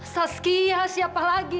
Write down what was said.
saskia siapa lagi